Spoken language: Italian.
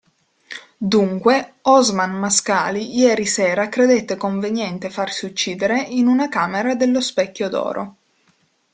Dunque, Osman Mascali ieri sera credette conveniente farsi uccidere in una camera dello Specchio d'Oro.